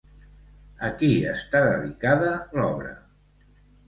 A qui està dedicada l'obra?